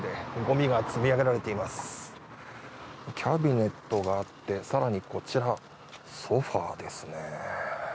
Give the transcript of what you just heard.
キャビネットがあってこちらソファですね。